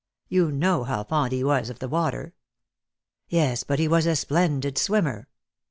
You know how fond he was of the water." " Yes, but he was a splendid swimmer."